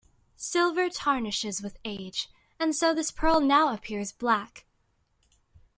Silver tarnishes with age, and so this pearl now appears black.